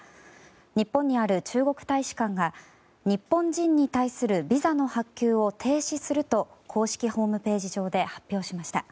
日本にある中国大使館が日本人に対するビザの発給を停止すると公式ホームページ上で発表しました。